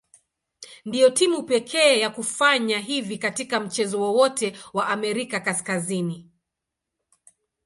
Ndio timu pekee ya kufanya hivi katika mchezo wowote wa Amerika Kaskazini.